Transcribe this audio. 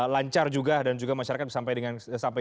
lancar juga dan juga masyarakat sampai